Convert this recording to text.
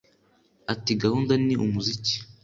Ati “Gahunda ni umuziki